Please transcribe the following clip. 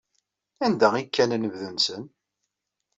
Anda ay kkan anebdu-nsen?